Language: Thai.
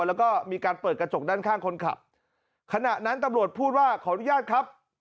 และก็มีการเปิดกระจกด้านขั้นคนขับตำรวจพูดว่าขออนุญาตครับ